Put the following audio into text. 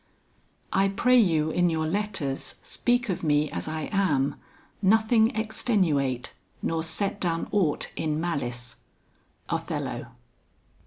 "I pray you in your letters, Speak of me as I am; nothing extenuate, Nor set down aught in malice." OTHELLO.